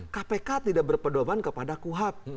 kpk tidak berpedoman kepada kuhap